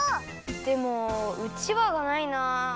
でもうちわがないな。